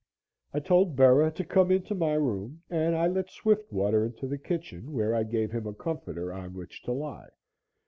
I told Bera to come into my room and I let Swiftwater into the kitchen, where I gave him a comforter on which to lie.